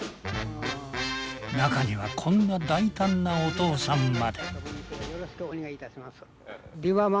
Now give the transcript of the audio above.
中にはこんな大胆なお父さんまで。